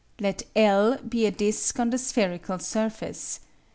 Let L be a disc on the spherical surface.